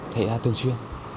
thấy ra thường xuyên